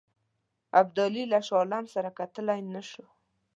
ابدالي له شاه عالم سره کتلای نه شو.